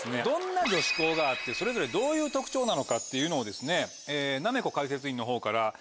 どんな女子校があってそれぞれどういう特徴なのかっていうのをなめ子解説員のほうから。